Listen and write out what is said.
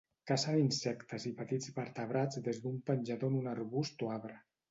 Cacen insectes i petits vertebrats des d'un penjador en un arbust o arbre.